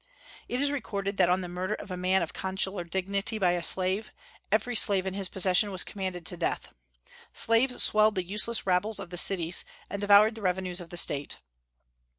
It is recorded that on the murder of a man of consular dignity by a slave, every slave in his possession was condemned to death. Slaves swelled the useless rabbles of the cities, and devoured the revenues of the State.